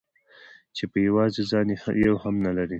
چې په يوازې ځان يې يو هم نه لري.